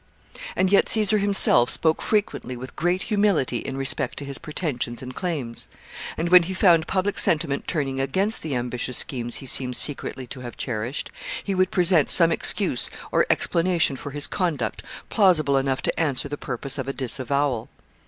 ] And yet Caesar himself spoke frequently with great humility in respect to his pretensions and claims; and when he found public sentiment turning against the ambitious schemes he seems secretly to have cherished, he would present some excuse or explanation for his conduct plausible enough to answer the purpose of a disavowal.